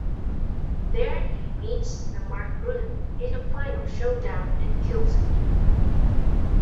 There he meets the Makron in a final showdown and kills it.